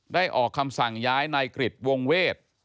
ได้ออกคำสั่งย้ายในกฤทธิ์วงเวท